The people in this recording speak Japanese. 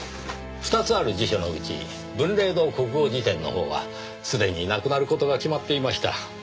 ２つある辞書のうち『文礼堂国語辞典』のほうはすでになくなる事が決まっていました。